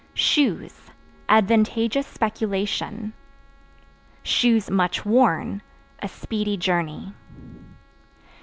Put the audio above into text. Shoes Advantageous speculation; (much worn) a speedy journey.